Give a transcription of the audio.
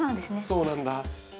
そうなんだ。